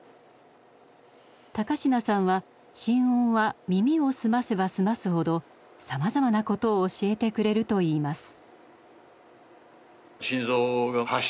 高階さんは心音は耳を澄ませば澄ますほどさまざまなことを教えてくれるといいます。